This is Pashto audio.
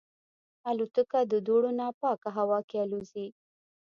الوتکه د دوړو نه پاکه هوا کې الوزي.